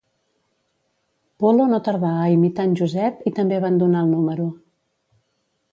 Polo no tardà a imitar en Josep i també abandonà el número.